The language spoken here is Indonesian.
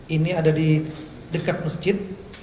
ini ada di dekat masjid